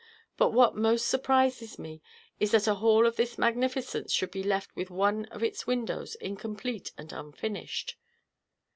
But what most surprises me is that a hall of this magnificence should be left with one of its windows incomplete and unfinished."